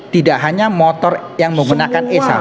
tidak hanya motor yang menggunakan esaf